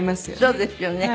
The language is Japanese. そうですよね。